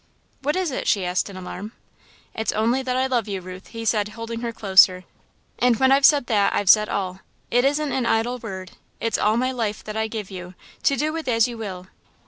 "What is it?" she asked, in alarm. "It's only that I love you, Ruth," he said, holding her closer, "and when I've said that, I've said all. It isn't an idle word; it's all my life that I give you, to do with as you will.